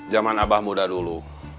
zaman abah muda dulu